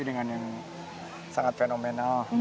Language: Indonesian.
dengan yang sangat fenomenal pak jokowi